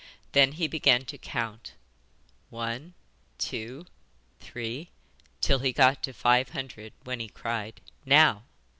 Then he began to count: 'One, two, three,' till he got to five hundred when he cried, 'Now!